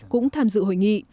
cũng tham dự hội nghị